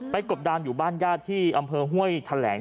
กบดานอยู่บ้านญาติที่อำเภอห้วยแถลง